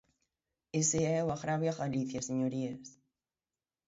Ese é o agravio a Galicia, señorías.